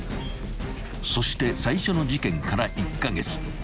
［そして最初の事件から１カ月］